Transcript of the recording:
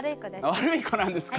悪い子なんですか？